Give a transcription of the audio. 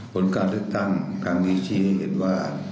ผลการเลือกตั้งครั้งนี้ชี้ให้เห็นว่า